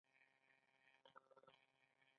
آیا دوی پیسې نه مصرفوي او سودا نه کوي؟